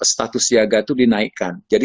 status siaga itu dinaikkan jadi